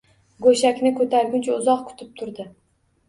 Go`shakni ko`targuncha uzoq kutib turdi